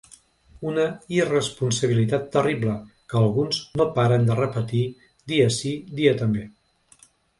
Una irresponsabilitat terrible que alguns no paren de repetir dia sí, dia també.